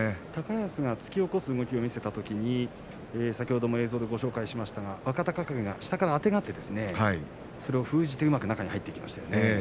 高安が突き起こす動きを見せたときに先ほども映像でご紹介しましたが若隆景、下からあてがってそれを封じてうまく中に入っていきました。